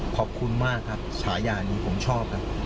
ขอบคุณมากครับชายาเนี่ยผมชอบนะ